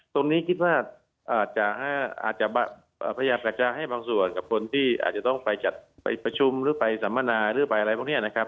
ตรงนี้คิดว่าอาจจะประหยัดแปลกจากให้บางส่วนหรือบางคนสัมมานาอะไรพวกนี้นะครับ